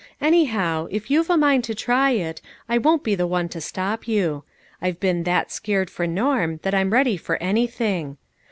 Anyhow, if you've a mind to try it, I won't be the one to stop you. I've been that scared for Norm, that I'm ready for any thing.